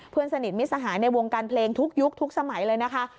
เพื่อนสนิทมิสหายในวงการเพลงทุกยุคทุกสมัยเลยนะคะ